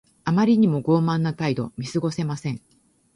あまりにも傲慢な態度。見過ごせません。